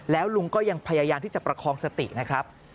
แล้วลุงก็ยังพยายามที่จะประคองสตินะครับ